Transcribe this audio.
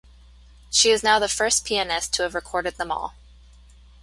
She is now the first pianist to have recorded them all.